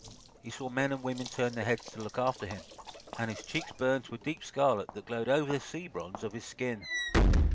He saw men and women turn their heads to look after him, and his cheeks burned to a deep scarlet that glowed over the sea bronze of his skin.